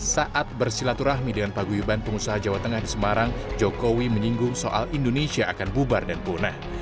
saat bersilaturahmi dengan paguyuban pengusaha jawa tengah di semarang jokowi menyinggung soal indonesia akan bubar dan punah